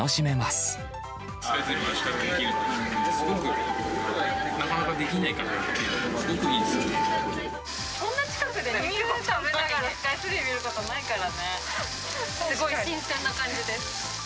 すごい新鮮な感じです。